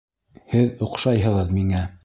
Һеҙ оҡшайһығыҙ миңә...